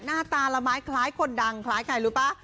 หน้าตาละไม้คล้ายคนดังคล้ายใครรู้ป่ะ